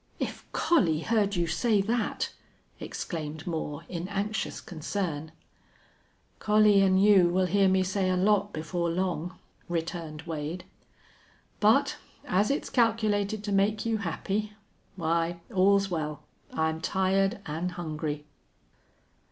"If Collie heard you say that!" exclaimed Moore, in anxious concern. "Collie an' you will hear me say a lot before long," returned Wade. "But, as it's calculated to make you happy why, all's well. I'm tired an' hungry."